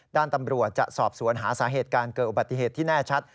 ด้านตำรวจจะสอบสวนหาสาเหตุการเกิดอุบัติเหตุที่แน่ชัด